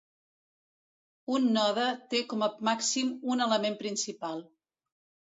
Un node té com a màxim un element principal.